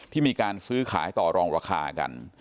ที่มีการซื้อขายต่อรองราคากัน